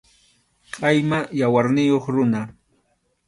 Qʼayma yawarniyuq runa.